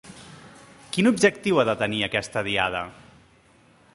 Quin objectiu ha de tenir aquesta Diada?